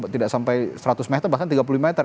tidak sampai seratus meter bahkan tiga puluh lima meter